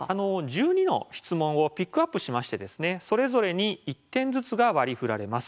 １２の質問をピックアップしましてそれぞれに１点ずつが割りふられます。